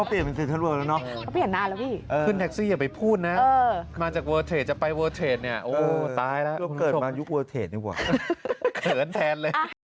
เมื่อกี้ตั้งแต่ไหนนะ